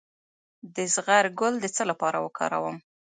د زغر ګل د څه لپاره وکاروم؟